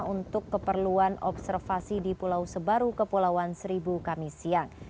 untuk keperluan observasi di pulau sebaru kepulauan seribu kami siang